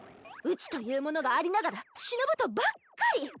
うちというものがありながらしのぶとばっかり。